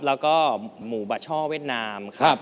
แล้วก็หมูบาช่อเวียดนามครับ